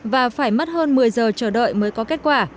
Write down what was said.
và phải mất hơn một mươi giờ chờ đợi mới có kết quả